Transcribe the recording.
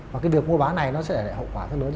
và cái việc mua bán này nó sẽ hậu quả rất lớn